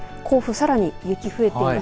さらに雪が増えています。